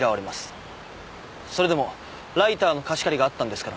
それでもライターの貸し借りがあったんですから。